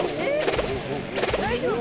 大丈夫？